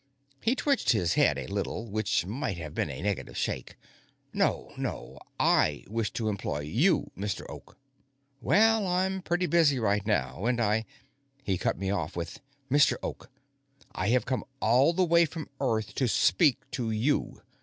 He twitched his head a little, which might have been a negative shake. "No, no. I wish to employ you, Mr. Oak." "Well, I'm pretty busy right now, and I " He cut me off with: "Mr. Oak, I have come all the way from Earth to speak to you.